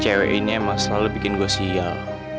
cewek ini emang selalu bikin gue sial